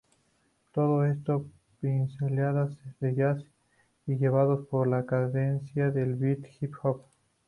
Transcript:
Todo esto con pinceladas de jazz y llevados por la cadencia del beat hip-hop...".